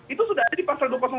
itu sudah ada di pasal dua ratus dua